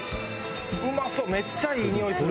うまそうめっちゃいい匂いする！